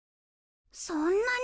そんなに！？